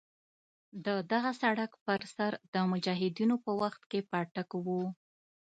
د دغه سړک پر سر د مجاهدینو په وخت کې پاټک وو.